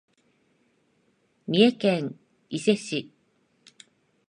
三重県伊勢市